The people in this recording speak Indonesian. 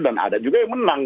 dan ada juga yang menang